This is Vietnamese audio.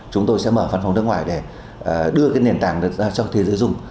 chúng tôi sẽ mở phát phòng nước ngoài để đưa cái nền tảng ra cho thế giới dùng